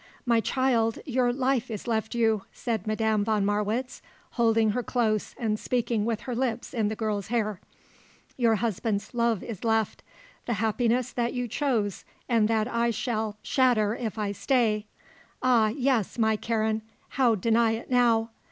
"My child, your life is left you," said Madame von Marwitz, holding her close and speaking with her lips in the girl's hair. "Your husband's love is left; the happiness that you chose and that I shall shatter if I stay; ah, yes, my Karen, how deny it now?